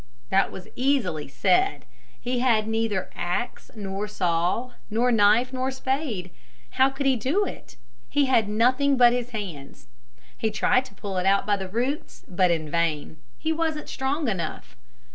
That was easily said. He had neither axe nor saw, nor knife nor spade. How could he do it? He had nothing but his hands. He tried to pull it out by the roots, but in vain. He wasn't strong enough.